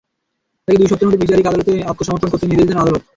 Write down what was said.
তাঁকে দুই সপ্তাহের মধ্যে বিচারিক আদালতে আত্মসমর্পণ করতে নির্দেশ দেন আদালত।